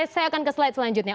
saya akan ke slide selanjutnya